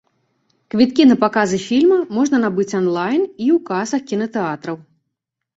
Квіткі на паказы фільма можна набыць анлайн і ў касах кінатэатраў.